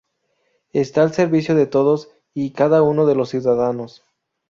Está al servicio de todos y cada uno de los ciudadanos.